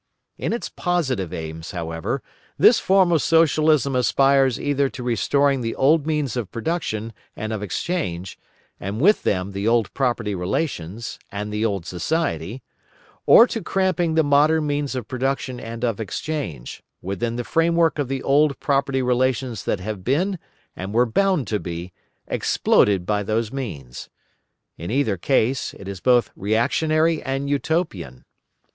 In its positive aims, however, this form of Socialism aspires either to restoring the old means of production and of exchange, and with them the old property relations, and the old society, or to cramping the modern means of production and of exchange, within the framework of the old property relations that have been, and were bound to be, exploded by those means. In either case, it is both reactionary and Utopian.